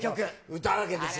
歌うわけですよ。